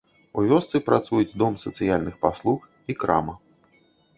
У вёсцы працуюць дом сацыяльных паслуг і крама.